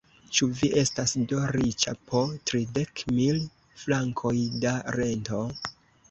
Ĉu vi estas do riĉa po tridek mil frankoj da rento?